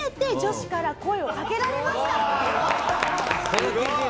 すごい！